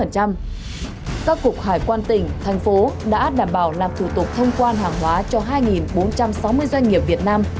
các cục hải quan tỉnh thành phố đã đảm bảo làm thủ tục thông quan hàng hóa cho hai bốn trăm sáu mươi doanh nghiệp việt nam